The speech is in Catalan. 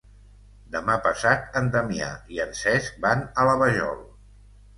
Demà passat en Damià i en Cesc van a la Vajol.